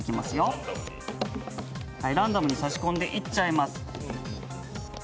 ランダムに差し込んでいっちゃいます。